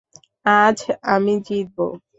আজ আমি জিতবো।